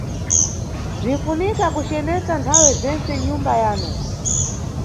Bzinʼfunika kucenesa nthawe zentse nyumba yanu